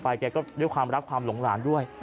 แกก็ด้วยความรักความหลงหลานด้วย